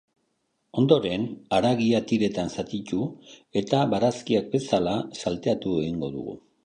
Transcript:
Ondoren haragia tiretan zatitu eta, barazkiak bezala, salteatu egingo dugu.